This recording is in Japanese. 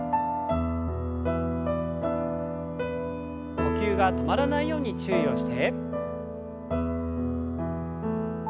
呼吸が止まらないように注意をして。